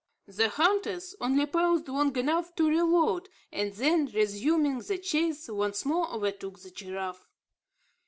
The hunters only paused long enough to reload, and then, resuming the chase, once more overtook the giraffe.